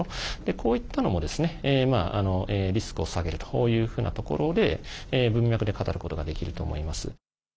こういったのも、リスクを下げるというふうなところで文脈で語ることができると思います。